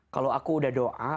kalau aku sudah doa